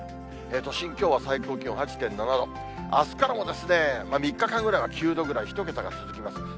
都心、きょうは最高気温８．７度、あすからも、３日間ぐらいは９度ぐらい、１桁が続きます。